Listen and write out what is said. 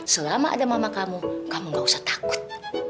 selama ada mama kamu kamu gak usah takut